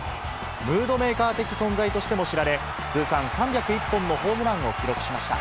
ムードメーカー的存在としても知られ、通算３０１本のホームランを記録しました。